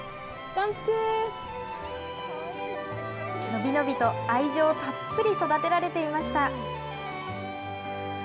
伸び伸びと愛情たっぷり育てられていました。